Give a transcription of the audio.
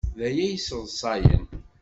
D aya ay yesseḍsayen.